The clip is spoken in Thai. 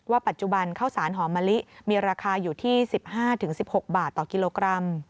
ปัจจุบันข้าวสารหอมมะลิมีราคาอยู่ที่๑๕๑๖บาทต่อกิโลกรัม